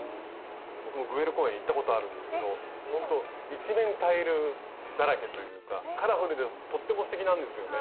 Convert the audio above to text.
僕もグエル公園行ったことあるんですけどほんと一面タイルだらけというかカラフルでとってもすてきなんですよね。